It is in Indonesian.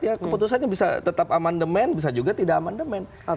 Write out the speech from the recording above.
ya keputusan bisa tetap aman demen bisa juga tidak aman demen